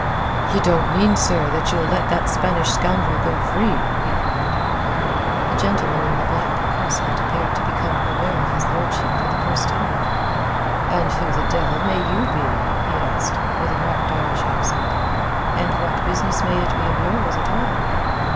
"Ye don't mean, sir, that you'll let that Spanish scoundrel go free?" he cried. The gentleman in the black corselet appeared to become aware of his lordship for the first time. "And who the devil may you be?" he asked, with a marked Irish accent. "And what business may it be of yours, at all?"